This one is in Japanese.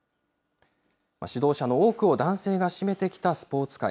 指導者の多くを男性が占めてきたスポーツ界。